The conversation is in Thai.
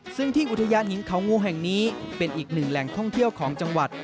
ซึ่งที่อุทยานหญิงเขางูแห่งนี้เป็นอีกหนึ่งแหล่งท่องเที่ยวของจังหวัด